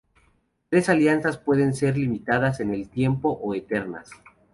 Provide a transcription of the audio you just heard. Tales alianzas pueden ser limitadas en el tiempo o "eternas".